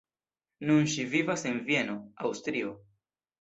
Nun ŝi vivas en Vieno, Aŭstrio.